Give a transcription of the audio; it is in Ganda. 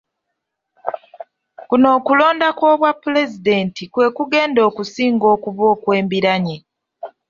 Kuno okulonda kw'obwapulezidenti kwe kugenda okusinga okuba okw'embiranye.